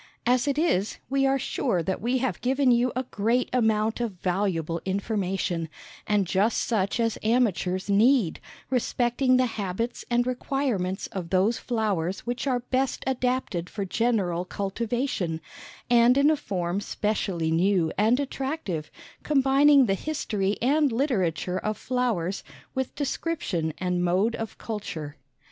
As it is, we are sure that we have given you a great amount of valuable information, and just such as amateurs need, respecting the habits and requirements of those flowers which are best adapted for general cultivation, and in a form specially new and attractive, combining the history and literature of flowers, with description and mode of culture.